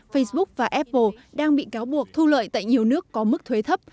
facebook và apple đang bị cáo buộc thu lợi tại nhiều nước có mức thuế thấp